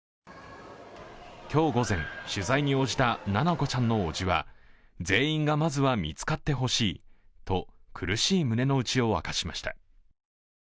今日午前、取材に応じた七菜子ちゃんのおじは全員がまずは見つかってほしいと苦しい胸の内を明かしました。